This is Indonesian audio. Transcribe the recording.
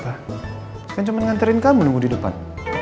saya kan cuma nganterin kamu nunggu di depan